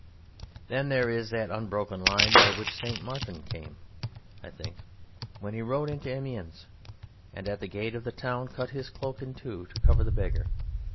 Then there is that unbroken line by which St. Martin came, I think, when he rode into Amiens, and at the gate of the town cut his cloak in two to cover the beggar.